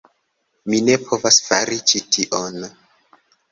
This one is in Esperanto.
Mi ne povas fari ĉi tion!